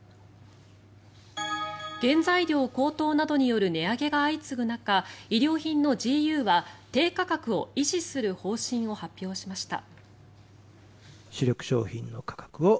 原材料高騰などによる値上げが相次ぐ中衣料品のＧＵは低価格を維持する方針を発表しました。